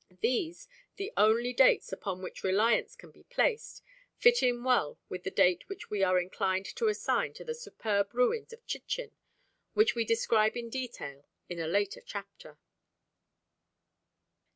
These, the only dates upon which reliance can be placed, fit in well with the date which we are inclined to assign to the superb ruins of Chichen, which we describe in detail in a later chapter.